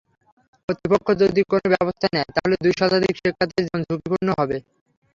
কর্তৃপক্ষ যদি কোনো ব্যবস্থা নেয়, তাহলে দুই শতাধিক শিক্ষার্থীর জীবন ঝুঁকিমুক্ত হবে।